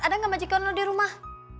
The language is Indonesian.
ada gak majikan lo di rumah